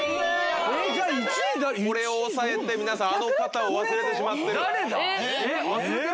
これを抑えて皆さんあの方を忘れてしまってる。